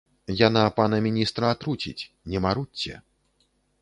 Яна пана міністра атруціць, не марудзьце.